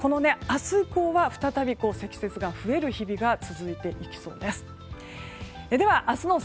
明日以降は再び積雪が増える日々が続いていきそうです。